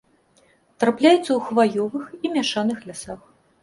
Трапляюцца ў хваёвых і мяшаных лясах.